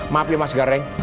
maaf ya mas gareng